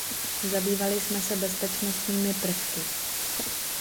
Zabývali jsme se bezpečnostními prvky.